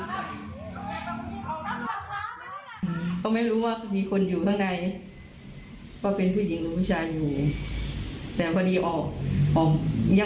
เขาไม่รู้ว่ามีคนอยู่ข้างในเพราะเป็นผู้หญิงหรือผู้ชายอยู่